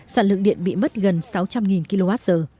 sản lượng điện bị mất gần sáu trăm linh kwh